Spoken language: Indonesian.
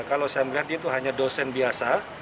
kalau saya melihatnya itu hanya dosen biasa